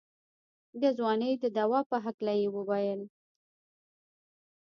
د ځوانۍ د دوا په هکله يې وويل.